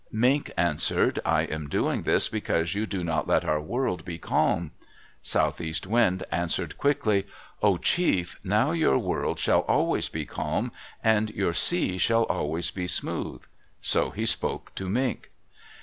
Mink answered, "I am doing this because you do not let our world be calm." Southeast Wind answered quickly, "Oh, Chief, now your world shall always be calm, and your sea shall always be smooth." So he spoke to Mink.